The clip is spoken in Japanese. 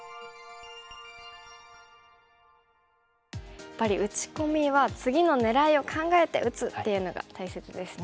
やっぱり打ち込みは次の狙いを考えて打つっていうのが大切ですね。